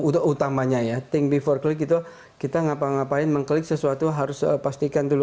think before click itu kita ngapa ngapain mengklik sesuatu harus pastikan dulu